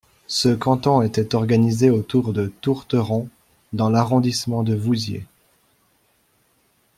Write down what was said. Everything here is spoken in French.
Ce canton était organisé autour de Tourteron dans l'arrondissement de Vouziers.